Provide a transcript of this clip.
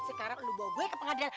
sekarang lu bawa gue ke pengadilan